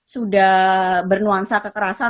sudah bernuansa kekerasan